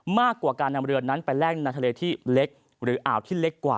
มากกว่าการนำเรือนั้นไปแล่งในทะเลที่เล็กหรืออ่าวที่เล็กกว่า